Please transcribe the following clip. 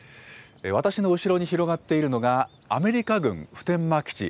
私の後ろに広がっているのが、アメリカ軍普天間基地。